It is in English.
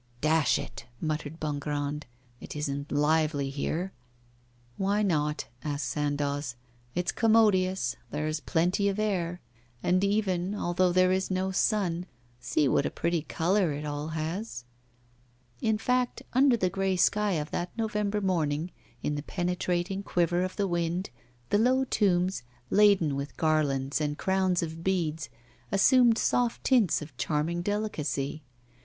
'Dash it!' muttered Bongrand, 'it isn't lively here.' 'Why not?' asked Sandoz. 'It's commodious; there is plenty of air. And even although there is no sun, see what a pretty colour it all has.' In fact, under the grey sky of that November morning, in the penetrating quiver of the wind, the low tombs, laden with garlands and crowns of beads, assumed soft tints of charming delicacy.